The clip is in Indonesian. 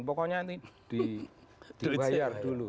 pokoknya nanti dibayar dulu